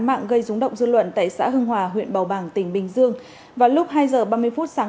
mạng gây rúng động dư luận tại xã hưng hòa huyện bầu bàng tỉnh bình dương vào lúc hai giờ ba mươi phút sáng